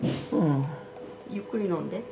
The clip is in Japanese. ゆっくり飲んで。